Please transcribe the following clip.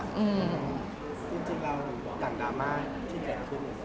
อเจมส์จริงแล้วอย่างดราม่าที่เกิดขึ้น